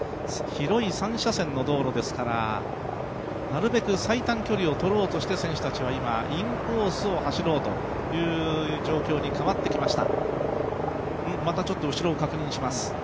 広い３車線の道路ですから、なるべく最短距離をとろうとして選手たちは今、インコースを走ろうという状況に変わってきました。